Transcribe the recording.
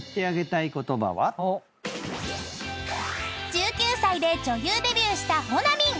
［１９歳で女優デビューしたほなみん］